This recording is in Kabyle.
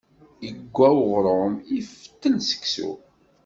Iggwa uɣṛum, iftel seksu.